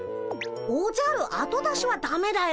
おじゃる後出しはだめだよ。